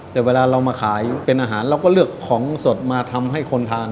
แต่เวลาเรามาขายเป็นอาหารเราก็เลือกของสดมาทำให้คนทาน